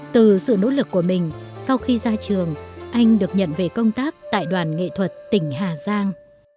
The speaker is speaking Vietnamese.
từ sự nỗ lực của mình sau khi ra trường anh được nhận về công tác tại đoàn nghệ thuật tỉnh hà giang